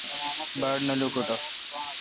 باڑ نہ لوکوٹہ ۔